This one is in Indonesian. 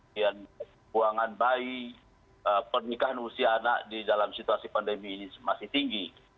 kemudian buangan bayi pernikahan usia anak di dalam situasi pandemi ini masih tinggi